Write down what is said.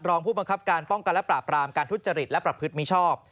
รองผู้บังคับการป้องกันและปราบรามการทุจริตและประพฤติมิชอบ